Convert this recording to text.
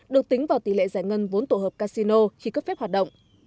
được tính vào tỷ lệ giải ngân vốn tổ hợp casino khi cấp phép hoạt động